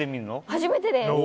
初めてです。